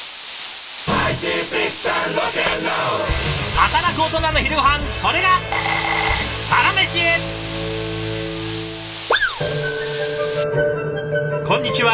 働くオトナの昼ごはんそれがこんにちは。